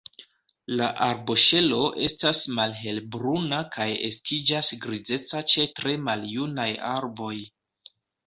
La arboŝelo estas malhelbruna kaj estiĝas grizeca ĉe tre maljunaj arboj.